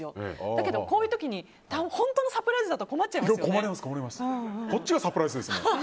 だけど、こういう時に本当のサプライズだと困ります、困ります。